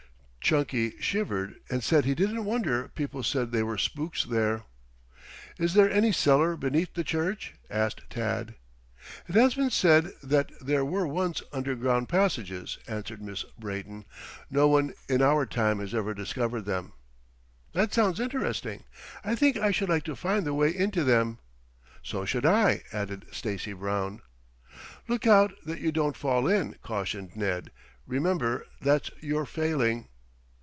Chunky shivered, and said he didn't wonder people said there were spooks there. "Is there any cellar beneath the church?" asked Tad. "It has been said that there were once underground passages," answered Miss Brayton. "No one in our time has ever discovered them." "That sounds interesting. I think I should like to find the way into them." "So should I," added Stacy Brown. "Look out that you don't fall in," cautioned Ned. "Remember that's your failing."